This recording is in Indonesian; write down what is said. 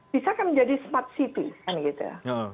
bisa kan menjadi smart city kan gitu